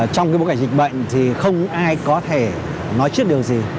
trong bối cảnh dịch bệnh thì không ai có thể nói trước điều gì